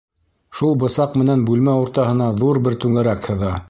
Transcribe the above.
Шул бысаҡ менән бүлмә уртаһына ҙур бер түңәрәк һыҙа.